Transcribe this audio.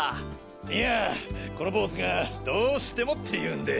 いやあこのボウズがどうしてもって言うんで。